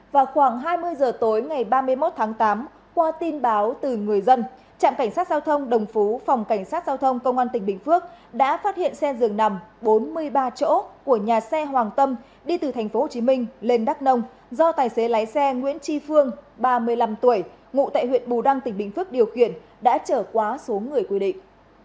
vào khoảng hai mươi h tối ngày ba mươi một tháng tám qua tin báo từ người dân trạm cảnh sát giao thông đồng phú phòng cảnh sát giao thông công an tỉnh bình phước đã phát hiện xe dường nằm bốn mươi ba chỗ của nhà xe hoàng tâm đi từ tp hcm lên đắk nông do tài xế lái xe nguyễn tri phương ba mươi năm tuổi ngụ tại huyện bù đăng tỉnh bình phước điều khiển đã trở quá số người quy định